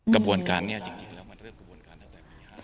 กระบวนการนี้จริงแล้วมันเริ่มกระบวนการตั้งแต่ปี๕๗